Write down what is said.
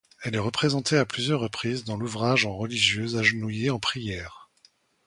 Elle est représentée à plusieurs reprises dans l'ouvrage en religieuse agenouillée en prière.